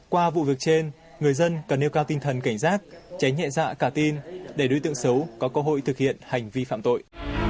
qua vụ việc trên người dân cần nêu cao tinh thần cảnh giác tránh nhẹ dạ cả tin để đối tượng xấu có cơ hội thực hiện hành vi phạm tội